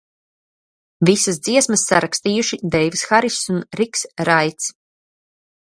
Visas dziesmas sarakstījuši Deivs Hariss un Riks Raits.